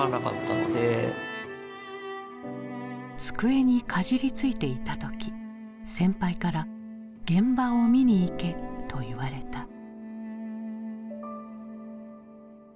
机にかじりついていた時先輩から「現場を見に行け」と言われた。